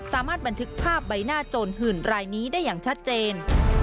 สามารถบันทึกภาพใบหน้าโจรหื่นรายนี้ได้อย่างชัดเจน